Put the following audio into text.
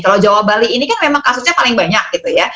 kalau jawa bali ini kan memang kasusnya paling banyak gitu ya